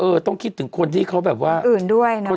ต้องคิดถึงคนที่เขาแบบว่าอื่นด้วยนะ